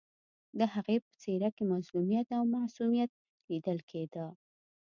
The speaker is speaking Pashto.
د هغې په څېره کې مظلومیت او معصومیت لیدل کېده